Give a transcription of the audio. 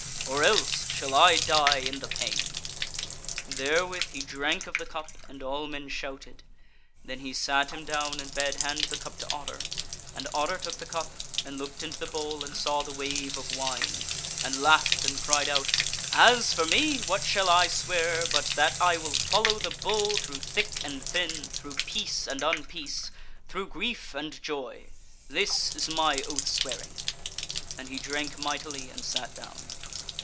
Or else shall I die in the pain." Therewith he drank of the cup, and all men shouted. Then he sat him down and bade hand the cup to Otter; and Otter took the cup and looked into the bowl and saw the wave of wine, and laughed and cried out: "As for me, what shall I swear but that I will follow the Bull through thick and thin, through peace and unpeace, through grief and joy. This is my oath swearing." And he drank mightily and sat down.